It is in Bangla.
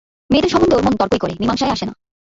মেয়েদের সম্বন্ধে ওর মন তর্কই করে, মীমাংসায় আসে না।